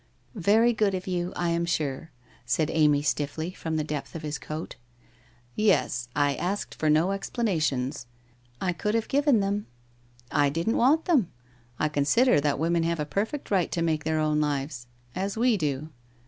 ' Very good of you, I am sure/ said Amy stiffly, from the depth of his coat. 'Yes, I asked for no explanations '' I could have given them. ...'' I didn't want them. I consider that women have a perfect right to make their own lives, as we do.'